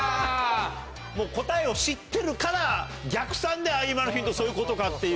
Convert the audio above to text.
答えを知ってるから逆算で今のヒントそういうことかっていう。